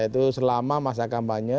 itu selama masa kampanye